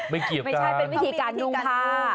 ไม่เกี่ยวกันไม่ใช่เป็นวิธีการนุ่งผ้า